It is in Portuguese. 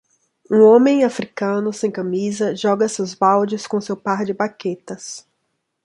Um homem Africano sem camisa joga seus baldes com seu par de baquetas.